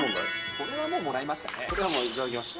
これはもう、頂きました。